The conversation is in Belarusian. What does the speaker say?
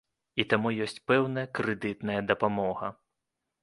І таму ёсць пэўная крэдытная дапамога.